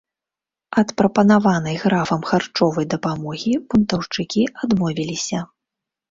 Ад прапанаванай графам харчовай дапамогі бунтаўшчыкі адмовіліся.